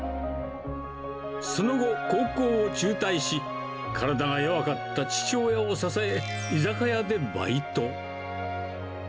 その後、高校を中退し、体が弱かった父親を支え、居酒屋でバイト。